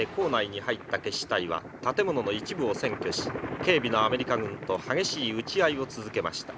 「建物の一部を占拠し警備のアメリカ軍と激しい撃ち合いを続けました」。